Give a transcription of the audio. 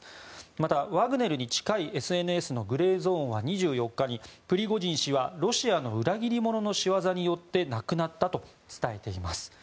また、ワグネルに近いＳＮＳのグレーゾーンは２４日にプリゴジン氏はロシアの裏切り者の仕業によって亡くなったと伝えています。